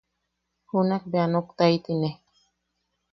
Junak bea a noktaitine.